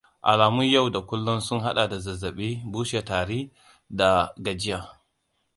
Alamun yau da kullun sun haɗa da zazzaɓi, bushe tari, da gajiya.